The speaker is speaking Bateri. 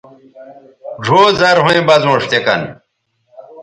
ڙھؤ زرھویں بزونݜ تے کن